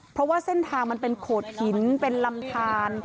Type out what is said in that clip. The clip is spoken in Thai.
เพราะว่าเส้นทางมันเป็นโขดหินเป็นลำทาน